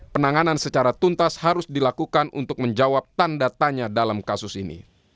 penanganan secara tuntas harus dilakukan untuk menjawab tanda tanya dalam kasus ini